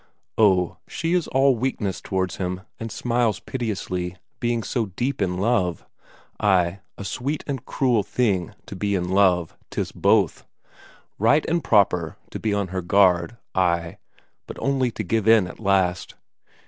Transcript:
Oh, she is all weakness towards him, and smiles piteously, being so deep in love ay, a sweet and cruel thing to be in love, 'tis both! Right and proper to be on her guard ay, but only to give in at last.